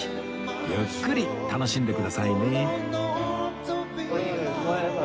ゆっくり楽しんでくださいね